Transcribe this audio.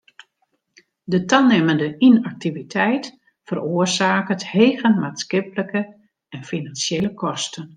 De tanimmende ynaktiviteit feroarsaket hege maatskiplike en finansjele kosten.